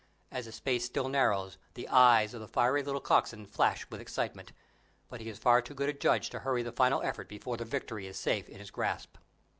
As the space still narrows, the eyes of the fiery little coxswain flash with excitement, but he is far too good a judge to hurry the final effort before the victory is safe in his grasp.